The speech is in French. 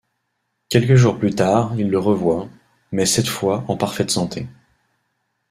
Quelques jours plus tard, il le revoit, mais cette fois en parfaite santé.